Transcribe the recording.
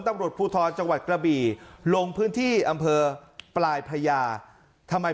ตำรวจภูทรจังหวัดกระบี่ลงพื้นที่อำเภอปลายพระยาทำไม